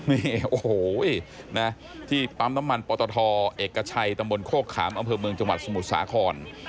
นี่โอ้โหนะที่ปั๊มน้ำมันปตทเอกชัยตำบลโคกขามอำเภอเมืองจังหวัดสมุทรสาคร